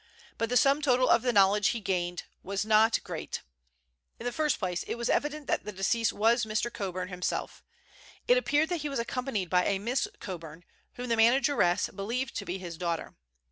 But the sum total of the knowledge he had gained was not great. In the first place, it was evident that the deceased was Mr. Coburn himself. It appeared that he was accompanied by a Miss Coburn, whom the manageress believed to be his daughter.